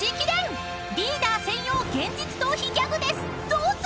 ［どうぞ！］